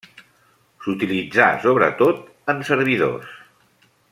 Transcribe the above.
S'utilitzà sobretot en servidors.